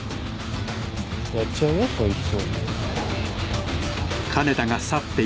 やっちゃうよそいつ。